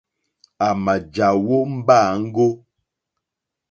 À mà jàwó mbáǃáŋɡó.